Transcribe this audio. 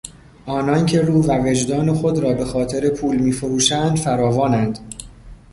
آنان که روح و وجدان خود را به خاطر پول میفروشند، فراوانند.